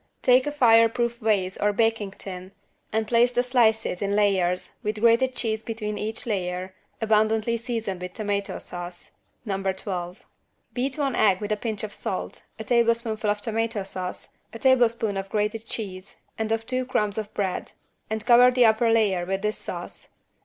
Take a fireproof vase or baking tin and place the slices in layers, with grated cheese between each layer, abundantly seasoned with tomato sauce (No. 12). Beat one egg with a pinch of salt, a tablespoonful of tomato sauce, a teaspoonful of grated cheese and two of crumbs of bread, and cover the upper layer with this sauce.